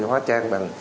hóa trang bằng